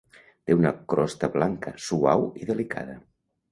Té una crosta blanca, suau i delicada.